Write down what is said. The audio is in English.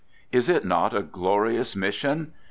Is it not a glorious mission?